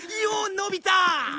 のび太！